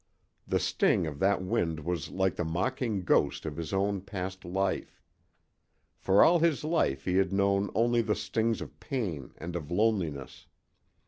The sting of that wind was like the mocking ghost of his own past life. For all his life he had known only the stings of pain and of loneliness.